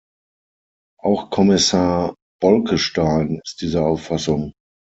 Auch Kommissar Bolkestein ist dieser Auffassung.